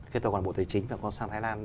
khi tôi còn bộ tài chính và có sang thái lan